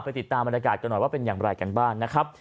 ติดตามบรรยากาศกันหน่อยว่าเป็นอย่างไรกันบ้างนะครับ